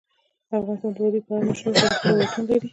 افغانستان د وادي په اړه مشهور تاریخی روایتونه لري.